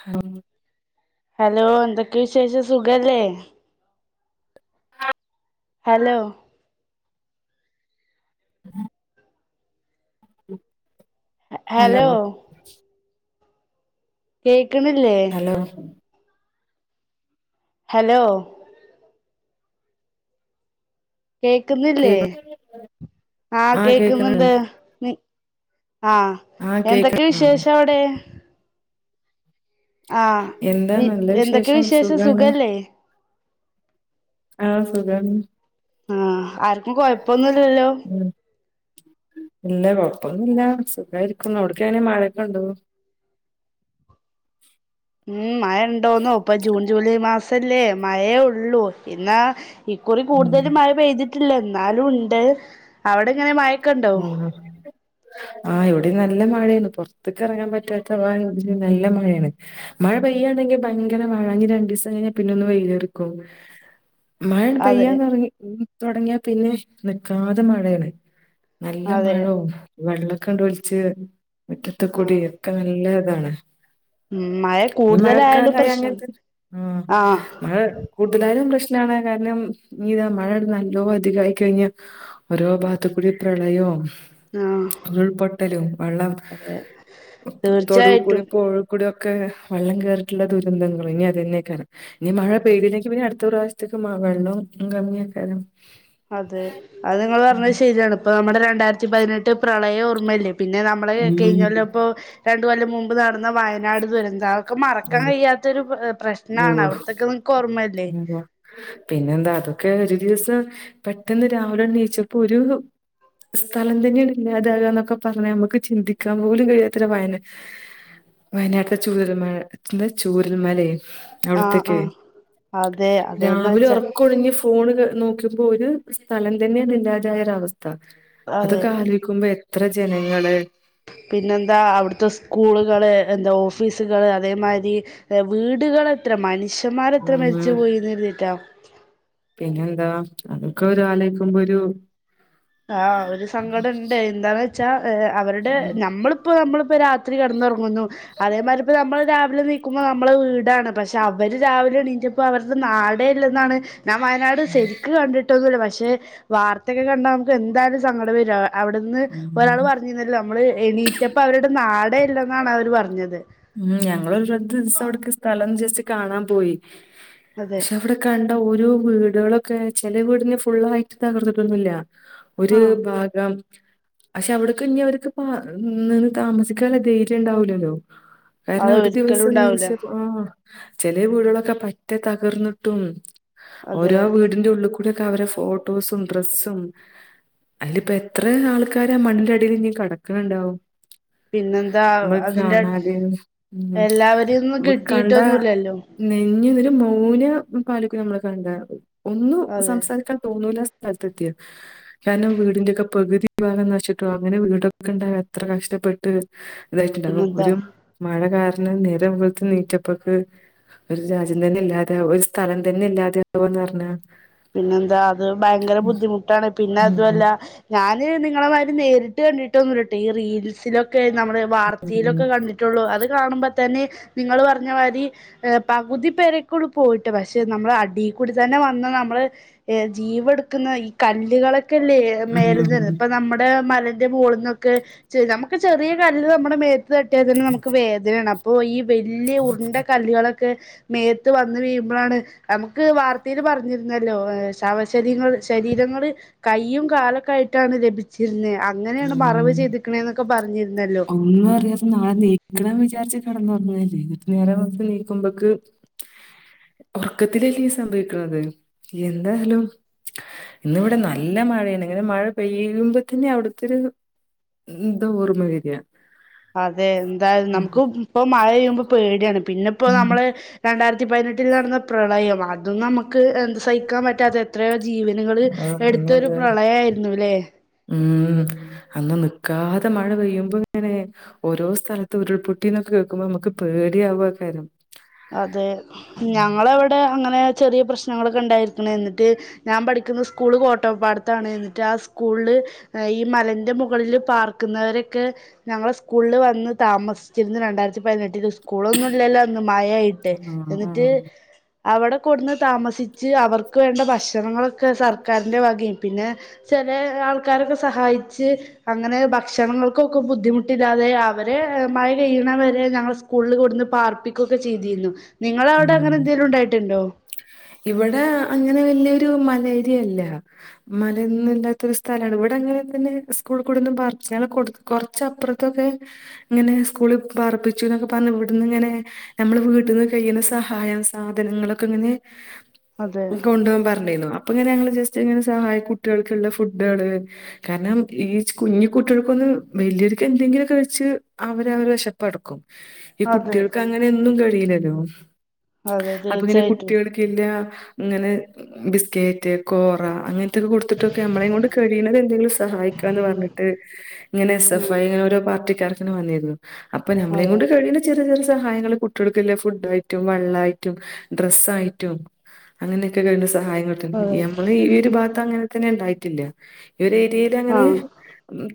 ആഹ hello എന്തൊക്കെ വിശേഷം സുഖല്ലേ ഹലോ ഉ ഹലോ കേക്ക് ക്കണല്ലേ ഹലോ ഹലോ കേ കേക്കുന്നില്ലേ ആഹ ആ കേക്ക്ണ് കേക്കുന്നുണ്ട് ആഹ ആ കേക്ക എന്തൊക്കെ ആ വിശേഷം അവിടെ ആഹ എന്താ വി നല്ല എന്തൊക്കെ വിശേഷം വിശേഷ സുഖല്ലേ ആഹ് സുഖം ആഹ ആക്ക കൊഴപ്പൊന്നുംില്ലല്ലോ ഉം ഇല്ല കൊഴപ്പൊന്നുമല്ല സുഖമായിരിക്കുംുന്നു അവിടക്കങ്ങനെ മഴയൊക്കെ ഉണ്ട ഉം മഴ ഉണ്ടോന്നോ ഇപ്പ ജൂൺ ജൂലൈ മാസം മല്ലേ മഴേ ഉള്ളൂ എന്നാ ഈക്കുറി ഉം കൂടുതലും മഴ പെയ്തിട്ടില്ലന്ന് ാലും ഉണ്ട് അവിടെ ഇങ്ങനെ മ ഉ ആഹ ഇവിടെ അ നല്ല മഴയാണ് പുൊറത്തൊക്കെ ഇറങ്ങാൻ പറ്റാത്ത ഭ നല്ല മഴയാണ് മഴ പെയ്യയാണെങ്കിൽ ഭയങ്കര മഴഞ്ഞഞ് രണ്ടു ദിവസം കഴിഞ്ഞാൽ പിന്നൊന്ന് വെയ്യേറക്കും മഴയുടെ അതെ പയ്യന്ന് തുടങ്ങി തുടങ്ങിയാ പിന്നെ നിക്കാതെ മഴയാണ് നല്ല അതെ മഴവും വെള്ള കണ്ട വിളിിച്ചച്ച് മുറ്റത്ത് ആ കുടി ഒക്കെ നല്ല താണ് ഉം മഴ ഈ കൂടുതലായാലും മഴക്കാലമായി പ്രശ്നം അങ്ങനത്തെ ആ ആഹ് മഴ കൂടുതലായാലും പ്രശ്ന കാരണം നീതാ മഴ നല്ലോ അധികമായി കഴിഞ്ഞ ഓരോ ഭാഗത്ത കൂടി പ്രളയ ആഹ് ഉരുൾപൊട്ടലും വെള്ളം അതെ തൊടു കൂടി തീർച്ചയായിട്ടും പോഴ കൂടിയ ഒെ ഒക്കെ വള്ളം കേയറിയിട്ടുള്ള ദുരന്തങ്ങള ഇനി അത് തന്നെക്കാം ഇനി മഴ അതെ പെയ്തില്ലെങ്കി പിന്ന അടുത്ത പ്രാവ്യം കത്തക്കമാ വെള്ളം കമ്മിയക്കാരം അതെ അത് നിങ്ങൾ പറഞ്ഞത് ശരിയാണ് ഇപ്പ നമ്മുടെ രണ്ടായിരത്തി പതിനെട്ട് പ്രളയഓർമ്മല്ല പിന്നെ നമ്മള് കഴിഞ്ഞല്ല ഉം ഇപ്പോൊ രണ്ട കൊല്ലം മുമ്പ് നടന്ന വയനാട് ദുരന്ത ക്കെ മറക്കാൻ ഉം കഴിയാത്തൊരു പ്രശ്നാണ് ഓഹ് അവിടത്തൊക്കെ നിനക്ക് ഓർമല്ലേ അതെ. പിന്നെന്താ അതൊക്കെ ഒരു ദിവസം പെട്ടെന്ന് രാവിലെ എണ്ണയിച്ചപ്പോ ഒരു സ്ഥലം തന്നെയ ഇല്ലാതാകാന്നൊക്കെ പറഞ്ഞാ നമുക്ക് ചിന്തിക്കാൻ പോലും കഴിയാത്തല്ല വയന വയനാട്ടില ചുളർ മഴ ാ ചൂരുൽ മല ആഹ് അവിടത്തേക്കെ ആഹ് അതെ അതന്ന് രാവിലെ വെച്ചാ ഉറക്ക ഒണഞ്ഞ് ഫോണ് നോ ്പ ഒരു സ്ഥലം തന്നെയാണ്ാായര അവസ്ഥ അത്ത അതൊക്കെ അതെ അൽവിിക്ക്പ ഇത്ര ജനങ്ങള്ൾ പിന്നെന്താ അവിടുത്തെ സ്കൂളുകള് എന്താ ഓഫീസുകള് അതേമാതിരി വീടുകൾ എത്ര മനുഷ്യ അച്ചന്മാർ എത്ര ഉം മരിച്ചു പോയിന്ന്രുന്നീറ്റാ അമക്ക ഒരാലക്കുമ്പൊ ഒരു ആഹ ഒരു സങ്കടം ഉണ്ട് എന്താന്ന് വെച്ചാ അവരുടെ ഉം നമ്മളിപ്പോ നമ്മളിപ്പോ രാ കടന്ന അതൊ അതേ മാരി പ്പൊ നമ്മള് രാവില നീ ക്കുമ്പോ നമ്മളെ വീടാണ് പക്ഷെ അവര് രാവിലെ ണീക്കുമ്പൊ അവരുടെ നാടേ ഇല്ലെന്നാണ് ഞാൻ വയനാട് ശരിക്ക് കണ്ടിട്ടൊന്നൂല്ല പ ക്ഷെ വാർത്തെക്കെ കണ്ടാ ഇതെന്തായാലും സങ്കടം വരാ അവിടന്ന് ഒരാള് ഉം പറഞ്ഞിന്നല്ലോ നമ്മള് എണീറ്റപ്പൊ അവരുടെ നാടേ ഇല്ലെന്നാണ് അവര് പറഞ്ഞത് ഉം ഞങ്ങൊരു പ്ര ദിവസം അവിട സ്ഥലം ജസ്റ്റ് കാണാൻ പോയി അതെ പക്ഷെ അവിടെ കണ്ട ഓരോ വ് ളുകളൊക്കെ ചെല വീട്ന് ഫുള്ളായിട്ട് തകർന്ന്ട്ടൊന്നുല്ല ഒര് ആഹ് ഭാഗം പക്ഷെ അവിട്ക്ക്‌ ഇഞ് ഓര്ക്ക് പ നിന്ന് താമസിക്കാള്ള ധൈര്യം ഉണ്ടാവ്ലല്ലോ കാരണം അത് ഒരു ഒരിക്കലും ദിവസം ഉണ്ടാവൂല നിച്ചപ്പോ ആഹ് ചെലെ വീട്കളൊക്കെ പറ്റേ തകർന്ന്ട്ടും അതെ ഓരോ വീട്ന്റെ ഉള്ള് കൂടെ ക്കവരെ ഫോട്ടോസും ഡ്രസും അല്ല ഇപ്പ എത്ര ആൾക്കാരാ മണ്ണിന്റെ അടില് ഇനി കടക്ണ് ണ്ടാവും പിന്നെന്താ അത് ന്റെ [unintelligible] നമുക്ക് കണ്ടാ കിട്ടിയിട്ടൊന്നുല്ലല്ലോ നെഞ് [unintelligible] മൂന് [unintelligible] നമ്മളെ കണ്ടാ അറിം ഒന്നും അതെ സംസാരിക്കാൻ തോന്നൂല സ് സ്ഥൽത്ത് എത്തിയെ കാരണം വീട്ന്റെയൊക്കെ പക്തിഭാഗം [unintelligible] അങ്ങനെ വീടൊക്കെ ഉണ്ടാകാൻ എത്ര കഷ്ടപ്പെട്ട് ഇതായിട്ട്ണ്ടാകും പിന്നെന്താ ഒരും മഴ കാരണം നേരം വെള്ത്ത് നീചെപ്പക്ക് ഒര് രാജ്യം തന്നെ ഇല്ലാതാവാ ഒരു സ്ഥലം തന്നെ ഇല്ലാതാവാ എന്ന് പറഞ്ഞാ പിന്നെന്താ അത് ഭയങ്കര ഉം ബുദ്ധിമുട്ടാണ് പിന്നെ അതുല്ല ഞാൻ അതി നിങ്ങളെമാതിരി നേരിട്ട് കണ്ടിട്ടൊന്നുല്ലട്ടൊ ഈ റീൽസിലൊ ക്കെ നമ്മുടെ ഉം വാർത്തീലൊക്കെ കണ്ടിട്ടുള്ളൂ അത് കാണുമ്പോ തന്നെ നിങ്ങൾ പറഞ്ഞ മാതിരി പകുതി പേരെകൊള്ളൂ പോയിട്ട് പക്ഷെ നമ്മൾ അടീ കൂടി തന്നെ വന്നാ ന മ്മള് ജീവ ഇട്ക്ക്ന്ന ഈ കല്ലുകള് ക്കല്ലേ ഉം മേല് ന്ന്. ഇപ്പ ഉം നമ്മുടെ മല ന്റെ മോള്ന്നൊക്കെ ചെ നമുക്ക് ചെറിയ കല്ല് നമ്മുടെ മേ ത് തട്ടിയാതന്നെ നമുക്ക് വേദനേണ്. അ പോയീ വല്യ ഉര്ണ്ട കല്ലുകളെ ക്കെ മേത്ത് വന്ന് വീഴുമ്പളാണ് നമുക്ക് വാർത്തേൽ പറഞ്ഞിരി നല്ലശവ ശരീരങ്ങള് കൈയും കാലൊക്കെ ആയിട്ടാണ് ലഭിച്ചിരുന്നത് അങ്ങനെയാണ് മറവ് ചെയ്തിക്കണേന്നൊക്കെ പറഞ്ഞിരുന്നല്ലോ ഒന്നും അറിയാത്ത നാളെ നീക്കണംന്ന് വിചാരിച്ച കിടന്നുറങ്ങലെ ന്നട്ട് നേരം വെളുത്തു നീക്കുമ്പോക്ക് ഉറക്കത്തിലല്ലേ സംഭവിക്കുന്നത് എന്തായാലും ഇന്നിവിടെ നല്ല മഴയാണ് അങ്ങനെ മഴ പെയ്യുമ്പോ തന്നെ അവിടു ഒത്തിരി എന്താ ഓർമ്മ വരിയ അതെ എന്തായ നമുക്ക് ഇപ്പൊ മഴ പെയ്യുമ്പോ ഇപ്പൊ പേടിയാണ് പിന്നെപ്പോ ഉം. നമ്മള് രണ്ടായിരത്തി ത്തി പതിനെട്ടിൽ നടന്ന പ്രളയം അതും നമുക്ക് എന്ത് സഹിക്കാൻ പറ്റാത്തെ എത്രയ ജീവനുകൾ ആ, എടുത്തൊരു പിന്നെന്താ പ്രളയ ആരുന്നുല്ലെ ഉ അന്ന് നിക്കാതെ മഴ പെയ്യുമ്പോ ഇങ്ങനെ ഓരോ സ്ഥലത്ത ഉരുൾപൊട്ടിന്നൊക്കെ കേക്കുമ്പോ നമുക്ക് പേടിയാവ കാര്യം അതെ ഉം. ഞങ്ങളവിടെ അങ്ങനെ ചെറിയ പ്രശ്നങ്ങളൊക്കെ ഉണ്ടായിരിക്കുന്നത് എന്നിട്ട് ഞാൻ പഠിക്കുന്ന സ്കൂള് കോട്ടപ്പാടത്താണ് എന്നിട്ട് ആ സ്കൂളിൽ ഈ മലൻ്റെ മുകളിൽ പാർക്കുന്നവരൊക്കെ ഞങ്ങളെ സ്കൂളിൽ വന്ന് താമസിച്ചിരുന്നു രണ്ടായിരത്തി പതിനെട്ടിൽ സ്കൂളൊന്നുംല്ലല്ലോ മഴയായിട്ട് ആ എന്നിട്ട് ആ അവിടെ കൊടുന്ന് താമസിച്ച് അവർക്ക് വേണ്ട ഭക്ഷണങ്ങളൊക്കെ സർക്കാരിന്റെ വകയും പിന്നെ ചില ആൾക്കാരൊക്കെ സഹായിച്ച് അങ്ങനെ ഭക്ഷണങ്ങൾക്കൊക്കെ ബുദ്ധിമുട്ടില്ലാതെ അവരെ മഴ പെയ്യണ വരെ ഞങ്ങൾ സ്കൂളിൽ കൊടുന്ന് പാർപ്പി ഒക്കെ ചെയ്തിരുന്നു നിങ്ങളെ അവിടെ ഉം അങ്ങനെ എന്തെലും ഉണ്ടായിട്ടുണ്ടോ ഒരു മലേരിയല്ല മലന്ന ഇല്ലാത്തരു സ്ഥലമാണ് ഇവിടെങ്ങനെ തന്നെ സ്കൂളിൽ കൂടെന്ന് പാർപ്പിച്ചു ഞ കൊറച്ചപ്പുറത്തൊക്കെ ഇങ്ങനെ സ്കൂളിൽ പർപ്പിച്ചുൊക്കെ പറഞ്ഞു ഇവിടന്ന് ഇങ്ങനെ നമ്മൾ വീട്ടന്ന് കഴിയുന്ന സഹായം സാധനങ്ങളൊക്കെ ഇങ്ങനെ അതെ കൊണ്ടപോവാൻ പറഞ്ഞിരുന്നു അപ്പൊ ഇങ്ങനെ ഞങ്ങ സ് ഇങ്ങനെ സഹായ കുട്ടികൾക്കുള്ള ഫുഡുകള് കാരണം ഈ കുഞ്ഞു കുട്ടികൾക്കൊന്ന് വലിയൊക്ക് എന്തെങ്കിലും കഴിച്ച് അവര് അവര് വിശപ്പടക്കും ഈ അതെ കുട്ടികൾക്ക് അങ്ങനെ എന്നും ല്ലോ [unintelligible] ഉ അതെ അപ്പൊ ഇങ്ങനെ തീർച്ചയായിട്ടും കുട്ടികൾക്കെല്ലാ അങ്ങനെ ബിസ്കറ്റ് കോറ അങ്ങനത്തെൊക്കെ കൊടുത്തിട്ടൊക്കെ നമ്മളെയ കൊണ്ട് കഴിയണുന്നത് എന്തെങ്കിലും സഹായിക്കുകന്ന് പറഞ്ഞിട്ട് ഇങ്ങെ എസ് ഉം എഫ്ഐ ഇങ്ങെ ഒരോ പാർട്ടിക്കാര് മന്നിയരുന്നു [unintelligible] അപ്പൊ അതെ നമ്മളെകൊണ്ട് കഴിയുന്ന ചെറിയ ചെറിയ സഹായങ്ങള്ൾ കുട്ടികൾക്കല്ല ഫുഡ് ആയിട്ട് വെള്ളായിട്ടും ഡ്രസ്സ് ആായിട്ടും അങ്ങനൊക്കെ ക സഹായംട്ട അതെ നമ്മള് ഈ ഒരു ഭാഗം അങ്ങനെ തന്നെ ഉണ്ടായി [unintelligible] ഈ ഏരിയയിൽ ആ അങ്ങനെ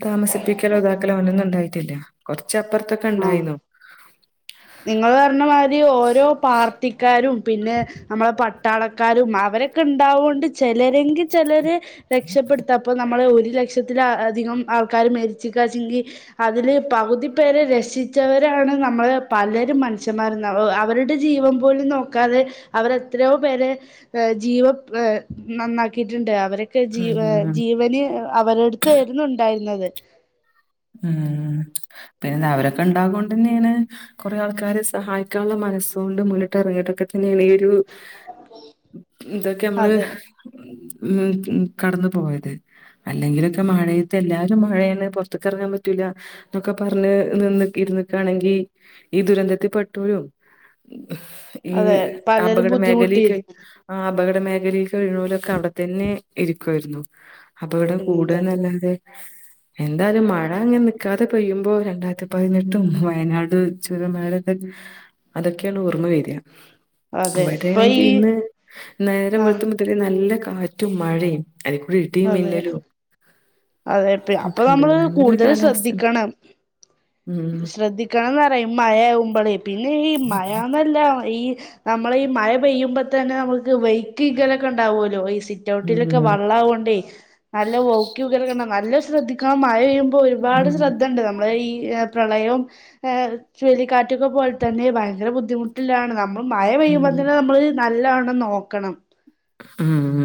താമസിപ്പിക്കലോ ഇതാക്കല അങ്ങനെണ്ടെന്നുണ്ടായി ല്ല കൊ [unintelligible] ആഹ നിങ്ങൾ പറഞ്ഞമാതിരി ഓരോ പാർട്ടിക്കാ പിന്നെ നമ്മളെ പട്ടാളക്കാരും അവരൊക്കെ ഉണ്ടാവുകൊണ്ട് ചിലരെങ്കിൽ ചിലർ രക്ഷപ്പെടുത്തപ്പോ നമ്മളെ ഒരു ലക്ഷത്തില അധികം ആൾക്കാർ മരിച്ച് കച്ചെങ്കിൽ അതില് പകുതി പേരെ ര രക്ഷിച്ചവരാണ് നമ്മള് പലരും മനുഷ്യന്മാര അവരുടെ ജീവം പോലും നോക്കാതെ അവരെത്രയോ പേരെ ജീവ നന്നാക്കിയിട്ടുണ്ട് അവരൊക്കെ ജീ ഉം ജീവന് അവരടുത്തായിരുന്നു ഉണ്ടായിരുന്നത് ഉ പിന്നെ അവരൊക്കെ ഉണ്ടാകുകൊണ്ട് തന്നെയാണ് കൊറെേ ആൾക്കാരെ സഹായിക്കാനുള്ള മനസ്സും കൊണ്ട് മുന്നിട്ട് ഇറങ്ങിയിട്ടൊക്കെ അതെയാണ് ഒരു ഇതൊക്കെ നമ്മള് അതെ ഉം കടന്നു പോയത് അല്ലെങ്കിലൊക്കെ മഴയത്ത് എല്ലാരും മഴയാണ്റ ത്ത് ക്കറങ്ങാൻ പറ്റൂല എന്നൊക്കെ പറഞ്ഞ് നിന്ന് ഇരുന്നക്കയാണെങ്കിൽ ഈ ദുരന്തത്തിൽ പെട്ടഴും ഈ അതെ പലരും അപകട മേഖലക്ക് ബുദ്ധിമുട്ടിയിരുന്നു ആ അപകട മേഖലക്കെ കഴുന്നോലൊക്കെ അവിടെത്തന്നെ ഇരിക്കുവായിരുന്നു അപ്പൊ ഇവിടെ പിന്നെന്താ കൂടന്നല്ലാതെ എന്തായാലും മഴ അങ്ങങ് നൽക്കാതെ പെയ്യുമ്പോ രണ്ടായിരത്തി പതിനെട്ട് വയനാട് ചുരമല അതൊക്കെയാണ് ഓർമ്മ വെര അതെ ഇപ്പൊ ഈ അവിടെയാണെങ്കിൽ ഇന്ന് നേരം ആഹ് വെളത്തുമ്പത്തേ നല്ല കാ റ്റും മഴേം അതെ അതെപ്പ അപ്പ ഒക്കെ ഇപ്പ ഉണ്ട് നമ്മള് അത് അങ്ങനൊരു കൂടുതൽ കാലാവസ്ഥ ശ്രദ്ധിക്കണം ഉം ശ്രദ്ധിക്കണംന്ന് പറയാ മഴയാകുമ്പോളേ പിന്നെ ഈ മഴന്നല്ല ഈ നമ്മള ഈ മഴ പെയ്യുമ്പോ തന്നെ നമുക്ക് വൈക്ക് വികലൊക്കെ ഉണ്ടാവുല്ലോ സിറ്റ് ഔട്ടിലൊക്കെ ഉം വള്ളം ആവു നല്ല വൈകി വികൽ നല്ല ശ്രദ്ധിക്കണം മഴപെ ഒരുപാട് ഉം ശ്രദ്ധ ഉണ്ട് നമ്മളെ ഈ പ്രളയവും ചുഴിലിക്കാറ്റുകെ പോലെ തന്നെ ഭയങ്കര ബുദ്ധിമുട്ടിലാണ് നമ്മ മഴ പെയ്യുമ്പോ ഉം തന്നെ നമ്മള് നല്ല നോക്കണം ഉം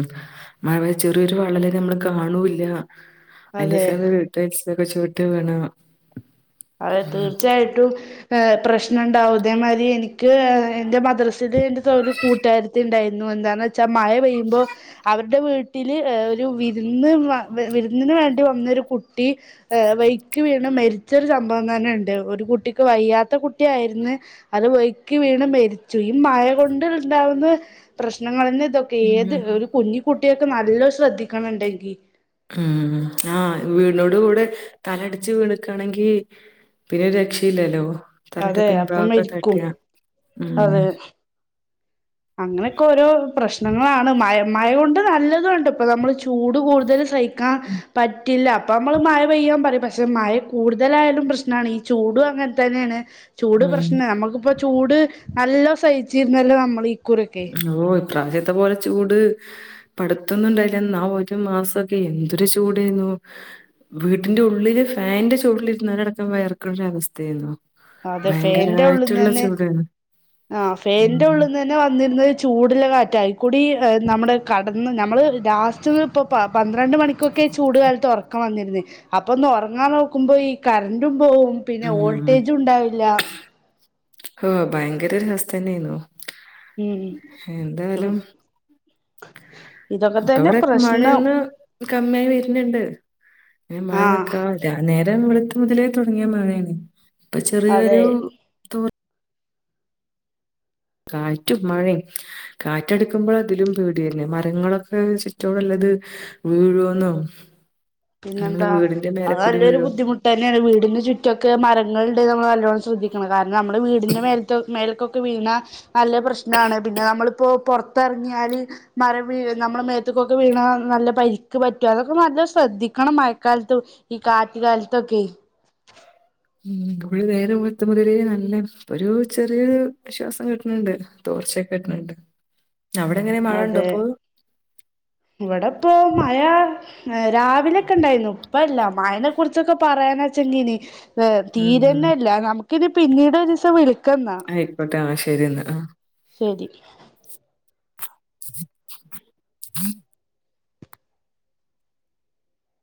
മഴ ചെറിയൊരു വള്ളല നമ്മള് കാണൂല്ല അതെ [unintelligible] ഒക്കെ ചുറ്റും വെള്ളം അതെ തീർച്ചയായിട്ടും പ്രശ്നംുണ്ടാവും ഇതേ മാതിരി എനിക്ക് എന്റെ മദ്രസൽ എന്റെ ഒരു കൂട്ടുകാരരുത്തി ഉണ്ടായിരുന്നു എന്താണ വെച്ചാൽ മഴ പെയ്യുമ്പോ അവടെ ടെ വീട്ടിൽ ഒരു വിരുന്ന് വിരുന്നിന് വേണ്ടി വന്നൊരു കുട്ടി വൈക്കി വീണ് മരിച്ചു ച്ചൊരു സംഭവം തന്നെ ഉണ്ട് ഒരു കുട്ടിക്ക് വയ്യാത്ത കുട്ടി ആയിരുന്നു അത് വൈക്ക് വീണ് മരിച്ചു ഈ മഴ കൊണ്ട് ഉണ്ടാവുന്ന പ്രശ്നങ്ങളെ ഇതൊക്കെ ഏത് ഒരു കുഞ്ഞിക്കു കുട്ടിയൊക്കെ നല്ല ശ്രദ്ധിക്കണം ഇണ്ടെങ്കി ഉം ആഹ് വീടിനോട് കൂടെ തലടിച്ച് വീണക്കയാണെങ്കി പിന്നെ രക്ഷയില്ലല്ലോ തല ടേ അതെ അപ്പം പിൻഭാഗക്കെ മരിക്കും തട്ടിയാ ഉം അതെ അങ്ങനെയൊക്കെ ഓരോ പ്രശ് നങ്ങളാണ് മഴ മഴ കൊണ്ട് നല്ലതു ആണ് ട്ടോ ഇപ്പൾ നമ്മൾ ചൂട് കൂടുതൽ സഹിക്കാൻ പ കിട്ടില്ല അപ്പ നമ്മള് മഴ പെയ്യാൻ പറയും പക്ഷെ മഴ കൂടുതലായാലും പ്രശ്നമാണ് ഈ ചൂടും അങ്ങനെ തന്നെയാണ് ചൂട് ഉം പ്രശ്ന നമുക്കിപ്പോ ചൂട് നല്ല സഹിച്ചിരുന്നല്ലോ നമ്മൾ ഈ കുറിക്കെ ഈ പ്രാവശ്യത്തെ പോലെ ചൂട് ഇപ്പോ അടുത്ത് ത്തൊന്നുണ്ടായില്ല എന്ന ഒരു മാസമൊക്കെ എന്തൊരു ചൂടേന്നു വീട്ടിന്റെ ഉള്ളില് ഫാനിന്റെ ചോട്ടിലിരുന്നാലടക്കം വിയർക്കുന്നര അവസ്ഥയായിരുന്നു അതെ ഫേന്റെ ഉള്ളിൽന്ന് ഭയങ്കരായിട്ടുള്ള തന്നെ ചൂടാണ് ആഹ് ഫേന്റെ ഉം. ഉള്ളിൽ തന്നെ വന്നിരുന്ന ചൂട്ള്ള കാറ്റായിക്കൂടി നമ്മുടെ കടന്ന് നമ്മള് ലാസ്റ്റ് ഇപ്പൊ പ ന്ത്രണ്ട് മണിക്കൊക്കെ ചൂട് കാലത്ത് ഉറക്കം വന്നിരു ന്ന് അപ്പൊ ഒന്ന് ഉറങ്ങാൻ നോക്കുമ്പോ ഈ കറന്റും പോകും പിന്നെ വോൾട്ടേജ് ഇല്ല ഓഹ് ഭയങ്കര ഒരു അവസ്ഥ തന്നെയായിരുന്നു ഉം എന്തായാലും ഇതൊക്കെ അപ്പ തന്നെ ഇവിടെക്ക പ്രശ്നം മഴയൊന്ന് കമ്മിയായി വരുന്നുണ്ട് മഴ ആ നിക്കാ നേരം വെളുത്ത് മുതലേ തുടങ്ങിയ മഴയാണ് ഇപ്പൊ അതെ ചെറിയൊരു തു കാറ്റും മഴയും കാറ്റെടുക്കുമ്പോൾ അതിലും പേടിയന്നെ മരങ്ങളൊക്ക ചുറ്റോറുള്ളത് വീഴുവന്നൊ പിന്നെന്താ അത് അതിന്റെരു ബുദ്ധിമുട്ടു ന്നെയാണ് വീടിനു ചുറ്റുക്കെ മര ങ്ങളിണ്ട് നമ്മളെ നല്ലോണം ശ്രദ്ധിക്കണം കാരണം നമ്മളെ വീടിൻ്റെ മേലിതെ മെലിക് [unintelligible] ട്ടുവിണ നല്ല പ്രശ്നാണ് പിന്നെ നമ്മളിപ്പോ പുറത്ത് ട്ടറങ്ങിയാല് മരംവീഴിന്ന് നമ്മള മേത്തുക്കൊക്കെ വീണാ നല്ല പരിക്ക് പറ്റും അതൊക്കെ നല്ല ശ്രദ്ധിക്കും ക്കണ മയക്കാലത്ത് ഈ കാറ്റ് കാലത്തോക്കെ ഉം ഇവി നേരം വെളുത്ത മുതല്ല് നല്ല ഒരു ചെറിയൊരു വിശ്വാസം കിട്ടണണ്ട് തോർച്ചയക്കെ കിട്ടണണ്ട് അതെ ഇവിടെപ്പോ മഴ രാവിലെക്കെ ഇണ്ടായിരുന്നു ഇപ്പല്ല മഴനെ കുറിച്ചൊക്കെ പറയാൻ വെച്ചെങ്കീനി ഇപ്പ ഉം ഉം തീരന്നല്ല നമുക്ക് ക്കെന പിന്നീട് ഒരുസം വിളിക്ക ആയിക്കോട്ടെ ആ ശരിയന്ന ആ ശരി [inaudible]